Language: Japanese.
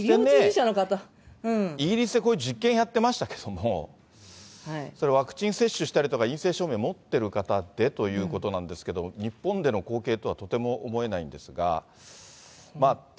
イギリスでこういう実験やってましたけども、それ、ワクチン接種したりとか陰性証明持ってる方でということなんですが、日本での光景とはとても思えないんですが。